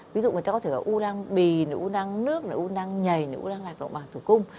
ví dụ người ta có thể có u nang bì u nang nước u nang nhầy u nang lạc động bằng thủ cung